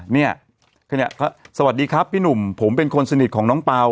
เนี่ยสวัสดีครับพี่หนุ่มผมเป็นคนสนิทของน้องเปล่า